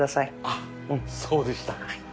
あっそうでした。